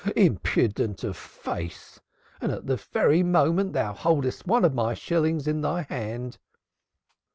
Impudent of face! At this very moment thou holdest one of my shillings in thy hand."